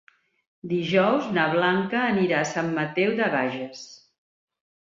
Dijous na Blanca anirà a Sant Mateu de Bages.